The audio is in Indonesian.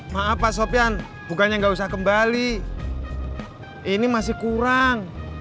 maaf pak sofian bukannya nggak usah kembali ini masih kurang